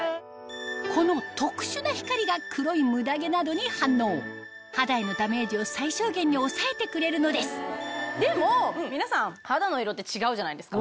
この特殊な光が黒いムダ毛などに反応肌へのダメージを最小限に抑えてくれるのですでも皆さん肌の色って違うじゃないですか。